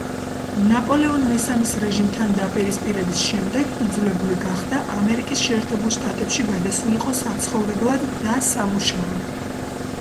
ნაპოლეონ მესამის რეჟიმთან დაპირისპირების შემდეგ იძულებული გახდა, ამერიკის შეერთებულ შტატებში გადასულიყო საცხოვრებლად და სამუშაოდ.